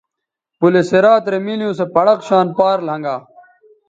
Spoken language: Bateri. پلِ صراط رے مِیلیوں سو پڑق شان پار لھنگا